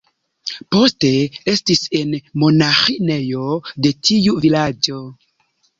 Poste estis en monaĥinejo de tiu vilaĝo.